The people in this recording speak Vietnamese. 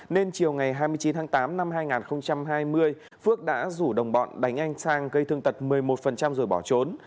nên chiều ngày hai mươi chín tháng tám năm hai nghìn hai mươi phước đã rủ đồng bọn đánh anh sang gây thương tật một mươi một rồi bỏ trốn